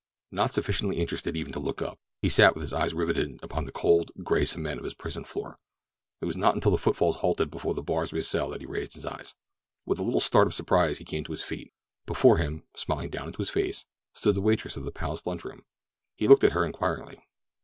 Not sufficiently interested even to look up, he sat with eyes riveted upon the cold, gray cement of his prison floor. It was not until the footfalls halted before the bars of his cell that he raised his eyes. With a little start of surprise he came to his feet. Before him, smiling down into his face, stood the waitress of the Palace Lunch Room. He looked at her inquiringly.